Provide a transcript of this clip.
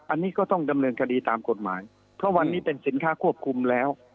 อันนี้ก็ต้องดำเนินคดีตามกฎหมายเพราะวันนี้เป็นสินค้าควบคุมแล้ว